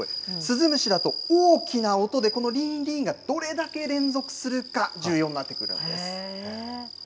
スズムシだと大きな音でこのりーんりーんがどれだけ連続するか、重要になってくるんです。